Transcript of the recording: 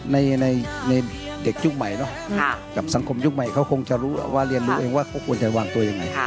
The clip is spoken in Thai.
ในเด็กยุคใหม่เนาะกับสังคมยุคใหม่เขาคงจะรู้ว่าเรียนรู้เองว่าเขาควรจะวางตัวยังไง